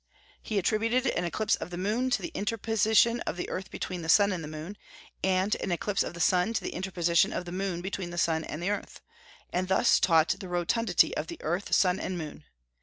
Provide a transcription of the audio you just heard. He attributed an eclipse of the moon to the interposition of the earth between the sun and moon, and an eclipse of the sun to the interposition of the moon between the sun and earth, and thus taught the rotundity of the earth, sun, and moon.